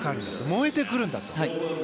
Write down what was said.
燃えてくるんだと。